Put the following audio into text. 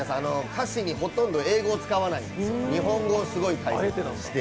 歌詞にほとんど英語を使わない、日本語を使っていて。